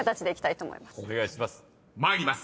お願いします。